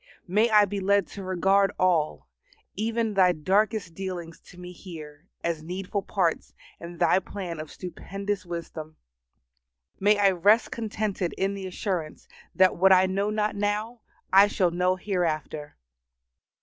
May I be led to regard all, even Thy darkest dealings to me here, as needful parts in Thy plan of stupendous wisdom. May I rest contented in the assurance that what I know not now I shall know hereafter.